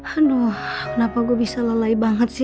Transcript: aduh kenapa gue bisa lalai banget sih